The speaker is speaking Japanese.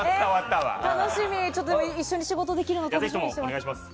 一緒に仕事できるのを楽しみにしています！